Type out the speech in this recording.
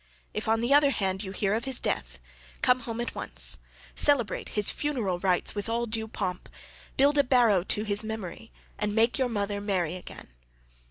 If on the other hand you hear of his death, come home at once, celebrate his funeral rites with all due pomp, build a barrow to his memory, and make your mother marry again.